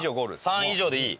「３」以上でいい。